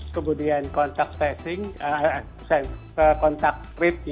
kemudian kontak tracing kontak krip